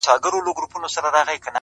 قاضي و ویل سړي ته نه شرمېږي-